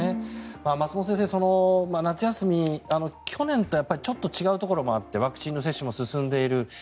松本先生夏休み、去年とやっぱり違うところもあってワクチンの接種も進んでいる。